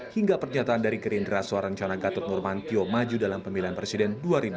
hingga pernyataan dari gerindra soal rencana gatot nurmantio maju dalam pemilihan presiden dua ribu sembilan belas